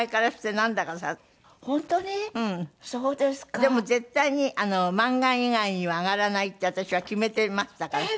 でも絶対に満貫以外では上がらないって私は決めてましたから。